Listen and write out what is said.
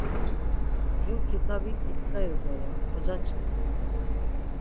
Jur kitabi ǩitxeri bore xocaçkimi.